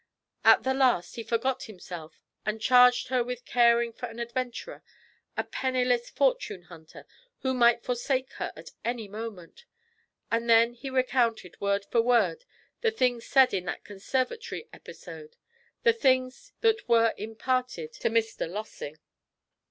At the last he forgot himself and charged her with caring for an adventurer; a penniless fortune hunter who might forsake her at any moment; and then he recounted word for word the things said in that conservatory episode; the things that were imparted to Mr. Lossing.'